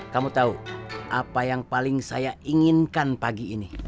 kamu tahu apa yang paling saya inginkan pagi ini